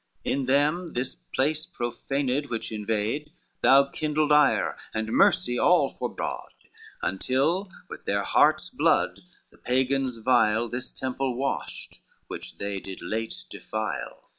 In them this place profaned which invade Thou kindled ire, and mercy all forbode, Until with their hearts' blood the Pagans vile This temple washed which they did late defile.